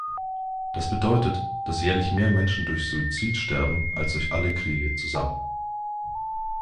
Das bedeutet, dass jährlich mehr Menschen durch Suizid sterben als durch alle Kriege zusammen.